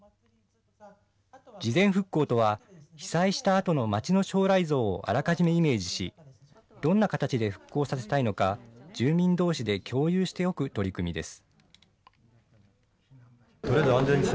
事前復興とは、被災したあとの街の将来像をあらかじめイメージし、どんな形で復興させたいのか、住民どうしで共有しておく取り組みです。